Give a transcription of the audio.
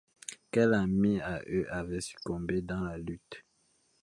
Quels amis, à eux, avaient succombé dans la lutte?